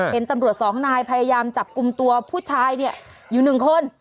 เห็นตำรวจสองนายพยายามจับกลุ่มตัวผู้ชายเนี่ยอยู่๑คน